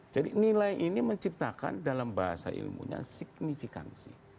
jadi nilai ini menciptakan dalam bahasa ilmunya signifikansi